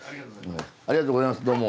ありがとうございますどうも。